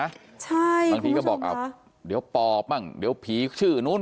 ใช่บางทีก็บอกอ้าวเดี๋ยวปอบบ้างเดี๋ยวผีชื่อนู้น